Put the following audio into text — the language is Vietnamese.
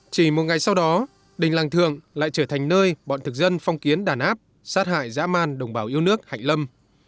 chỉ một ngày sau đó đình làng thượng lại trở thành nơi bọn thực dân phong kiến đàn áp sát hại dã man đồng bào yêu nước hạnh lâm